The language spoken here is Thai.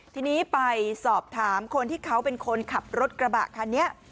ทีนี้ไปสอบถามคนที่เขาเป็นคนขับรถกระบะคันนี้